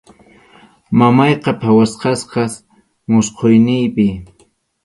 Mamayqa phawachkasqas musquyninpi.